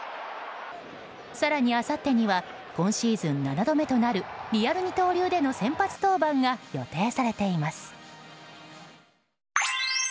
更に、あさってには今シーズン７度目となるリアル二刀流での先発登板が予定されています。